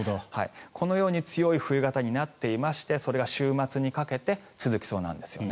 このように強い冬型になっていましてそれが週末にかけて続きそうなんですよね。